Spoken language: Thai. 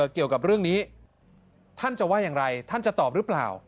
เกี่ยวกับเรื่องนี้ท่านจะว่าอย่างไรท่านจะตอบหรือเปล่า